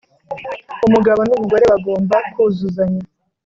umugabo n’umugore bagomba kuzuzanya